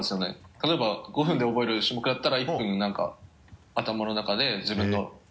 例えば５分で覚える種目だったら１分何か頭の中で自分の。